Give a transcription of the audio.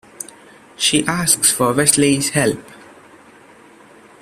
She asks for Wesley's help.